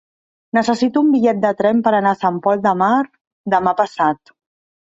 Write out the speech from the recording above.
Necessito un bitllet de tren per anar a Sant Pol de Mar demà passat.